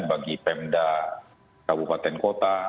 bagi pemda kabupaten kota